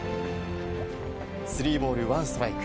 スリーボール、ワンストライク。